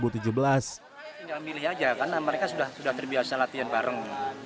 tinggal milih aja karena mereka sudah terbiasa latihan bareng